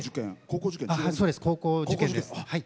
高校受験です。